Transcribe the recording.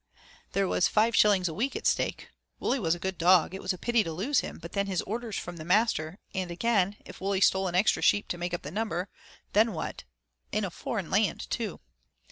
There was five shillings a week at stake. Wully was a good dog, it was a pity to lose him, but then, his orders from the master; and again, if Wully stole an extra sheep to make up the number, then what in a foreign land too?